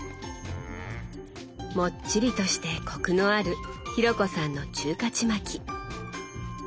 もっちりとしてこくのある紘子さんの中華ちまき。